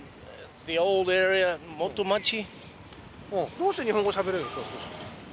どうして日本語しゃべれるんですか？